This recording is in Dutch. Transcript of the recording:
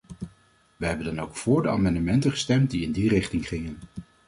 Wij hebben dan ook voor de amendementen gestemd die in die richting gingen.